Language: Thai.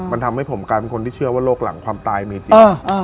มันทำให้ผมกลายเป็นคนที่เชื่อว่าโรคหลังความตายมีจริง